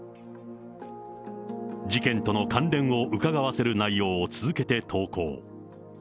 事件との関連をうかがわせる内容を続けて投稿。